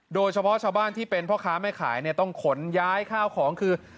โดยเฉพาะชาวบ้านที่เป็นพ่อค้าแม่ขายเนี่ยต้องขนย้ายข้าวของคือ